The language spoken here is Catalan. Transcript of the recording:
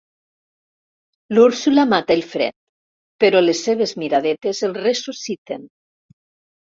L'Úrsula mata el Fred però les seves miradetes el ressusciten.